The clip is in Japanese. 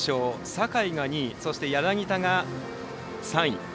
坂井が２位、柳田が３位。